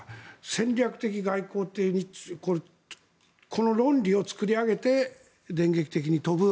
戦略的外交というこの論理を作り上げて電撃的に飛ぶ。